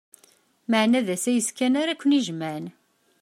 Maɛna d asayes kan ara ken-ijemɛen.